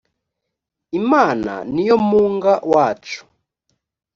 imana niyo munga wacu.